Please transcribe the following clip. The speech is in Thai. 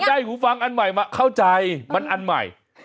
ได้หูฟังอันใหม่มาเข้าใจมันอันใหม่